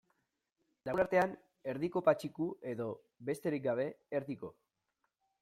Lagunartean, Erdiko Patxiku edo, besterik gabe, Erdiko.